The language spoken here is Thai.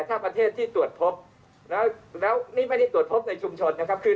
ถ้าประเทศที่ตรวจพบแล้วนี่ไม่ได้ตรวจพบในชุมชนนะครับคือ